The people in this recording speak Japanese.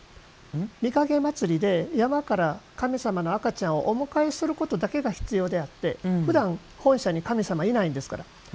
御蔭祭で山から神様の赤ちゃんをお迎えすることだけが必要であってふだん、本社に神様はいないんですから。